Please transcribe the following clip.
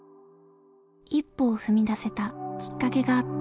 一歩を踏み出せたきっかけがあった。